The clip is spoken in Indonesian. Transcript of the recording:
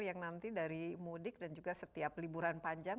yang nanti dari mudik dan juga setiap liburan panjang